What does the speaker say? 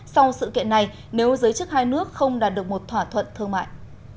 sau sự kiện này nếu giới chức hai nước không đạt được một thỏa thuận thương mại